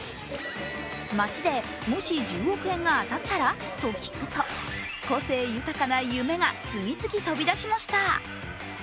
街でもし１０億円が当たったら？と聞くと個性豊かな夢が次々飛び出しました。